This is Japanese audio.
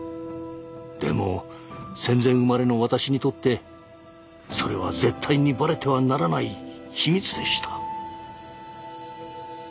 でも戦前生まれの私にとってそれは絶対にバレてはならない秘密でした。